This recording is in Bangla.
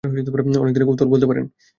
অনেকদিনের কৌতুহল বলতে পারেন।